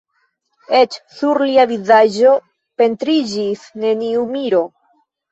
Eĉ sur lia vizaĝo pentriĝis neniu miro.